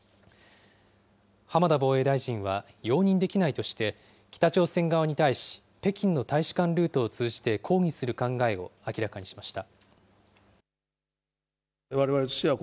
浜田防衛大臣は容認できないとして北朝鮮側に対し、北京の大使館ルートを通じて抗議する考えを明らかにしました。